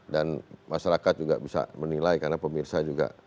dan masyarakat juga bisa menilai karena pemirsa juga